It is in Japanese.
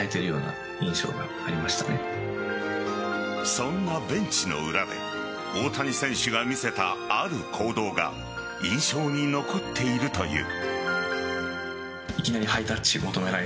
そんなベンチの裏で大谷選手が見せたある行動が印象に残っているという。